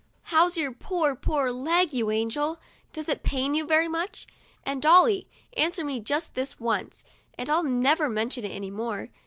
"How's your poor, poor leg, you angel? Does it pain you very much? And Dolly, answer me just this once, and I'll never mention it any more.